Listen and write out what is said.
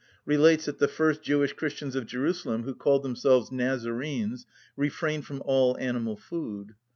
relates that the first Jewish Christians of Jerusalem, who called themselves Nazarenes, refrained from all animal food.